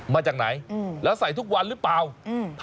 มาจากไหนอืมแล้วใส่ทุกวันหรือเปล่าอืม